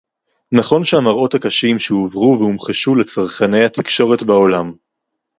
נכון שהמראות הקשים שהועברו והומחשו לצרכני התקשורת בעולם